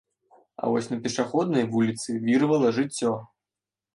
А вось на пешаходнай вуліцы віравала жыццё.